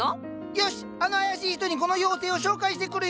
よしあの妖しい人にこの妖精を紹介してくるよ。